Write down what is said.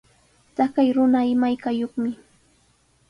Taqay runa imaykayuqmi.